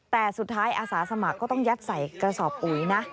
แต่สุดท้ายอาสาสมัครก็ต้องยัดใส่กระสอบปุ๋ยนะ